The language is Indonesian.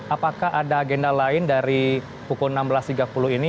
apakah ada agenda lain dari pukul enam belas tiga puluh ini